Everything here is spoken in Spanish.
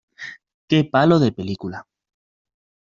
Qué palo de película.